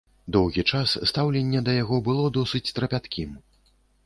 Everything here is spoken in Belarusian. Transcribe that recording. Доўгі час стаўленне да яго было досыць трапяткім.